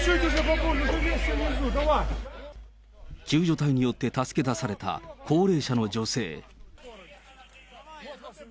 救助隊によって助け出された高齢者の女性。